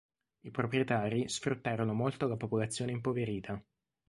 I proprietari sfruttarono molto la popolazione impoverita.